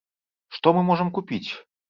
Што мы можам купіць?